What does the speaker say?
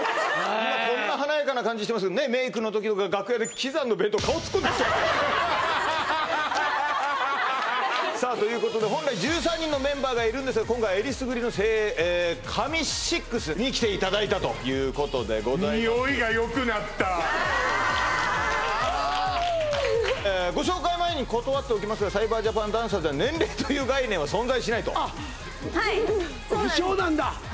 今こんな華やかな感じしてますけどねえメイクの時とか楽屋で喜山の弁当さあということで本来１３人のメンバーがいるんですが今回えりすぐりの精鋭神６に来ていただいたということでございます匂いがよくなったご紹介前に断っておきますがサイバージャパンダンサーズははいそうなんです不詳なんだ